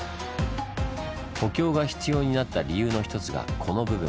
補強が必要になった理由の一つがこの部分。